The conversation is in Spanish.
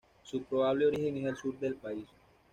Su probable origen es el sur del país.